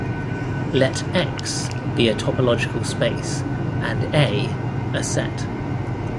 Let "X" be a topological space, and "A" a set.